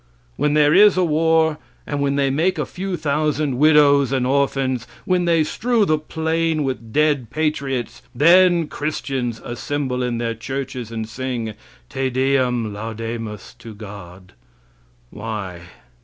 When there is a war, and when they make a few thousand widows and orphans, when they strew the plain with dead patriots, then Christians assemble in their churches and sing "Te Deum Laudamus" to God. Why?